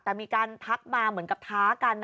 แต่มีการทักมาเหมือนกับท้ากัน